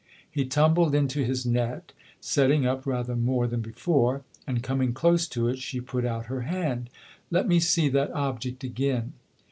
He tumbled into his net, sitting up rather more than before ; and, coming close to it, she put out her hand. " Let me see that object again."